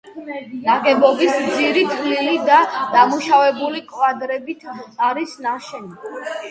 ნაგებობის ძირი თლილი და დამუშავებული კვადრებით არის ნაშენი.